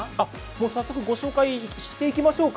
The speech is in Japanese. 早速ご紹介していきましょうか。